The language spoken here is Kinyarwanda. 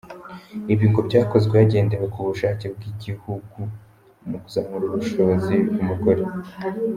Ibi ngo byakozwe hagendewe ku bushake bw’ibihugu mu kuzamura ubushobozi bw’umugore.